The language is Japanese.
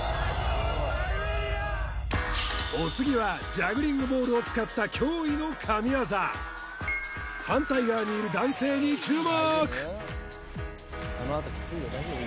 お次はジャグリングボールを使った驚異の神業反対側にいる男性に注目！